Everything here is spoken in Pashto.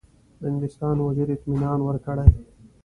د انګلستان وزیر اطمینان ورکړی.